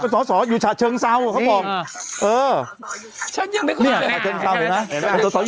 ศศอยู่ชาชังเศร้าครับผม